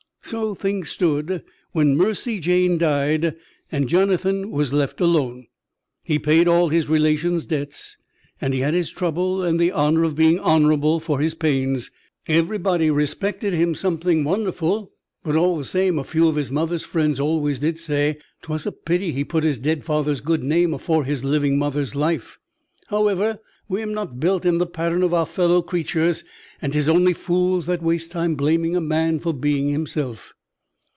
So things stood when Mercy Jane died and Jonathan was left alone. He paid all his relations' debts, and he had his trouble and the honor of being honorable for his pains. Everybody respected him something wonderful; but, all the same, a few of his mother's friends always did say that 'twas a pity he put his dead father's good name afore his living mother's life. However, we'm not built in the pattern of our fellow creatures, and 'tis only fools that waste time blaming a man for being himself.